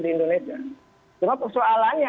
di indonesia cuma persoalannya